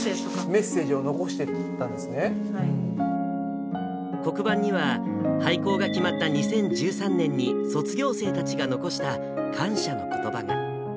メッセージを残していったん黒板には、廃校が決まった２０１３年に卒業生たちが残した感謝のことばが。